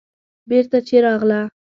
بېرته چې راغله.